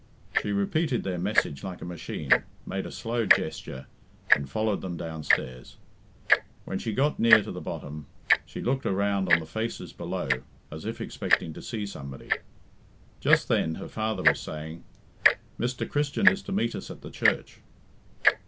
She repeated their message like a machine, made a slow gesture, and followed them downstairs. When she got near to the bottom, she looked around on the faces below as if expecting to see somebody. Just then her father was saying, "Mr. Christian is to meet us at the church."